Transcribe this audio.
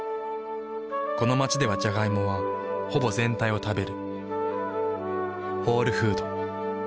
この街ではジャガイモはほぼ全体を食べる。